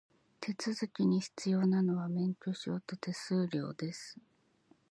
手続きに必要なのは、免許証と手数料です。